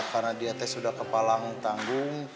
karena dia sudah kepala tanggung